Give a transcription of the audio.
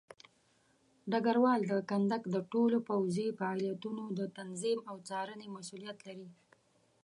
ډګروال د کندک د ټولو پوځي فعالیتونو د تنظیم او څارنې مسوولیت لري.